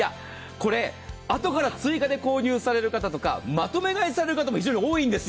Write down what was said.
あとから追加で購入される方とかまとめ買いされる方も非常に多いんです。